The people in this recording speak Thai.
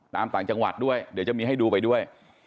ต่างจังหวัดด้วยเดี๋ยวจะมีให้ดูไปด้วย